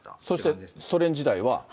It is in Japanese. そしてソ連時代は。